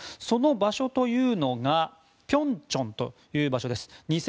その場所というのがピョンチョンという場所です。